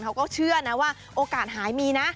เขาก็เชื่อนะว่าโอกาสหายมีนะ